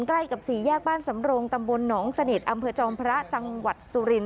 ใกล้กับสี่แยกบ้านสำรงตำบลหนองสนิทอำเภอจอมพระจังหวัดสุรินท